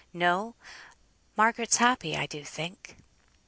No! Margaret's happy, I do think."